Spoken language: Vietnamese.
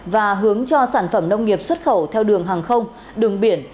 và hướng cho sản phẩm nông nghiệp xuất khẩu theo đường hàng không đường biển